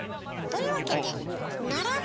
というわけでん！